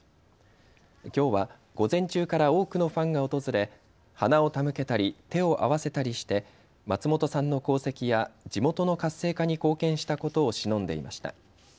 きょうは午前中から多くのファンが訪れ、花を手向けたり、手を合わせたりして松本さんの功績や地元の活性化に貢献したことをしのんでいました。